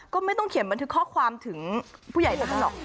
ก็ไม่ต้องเขียนบันทึกข้อความถึงผู้ใหญ่ตรงนั้นหรอก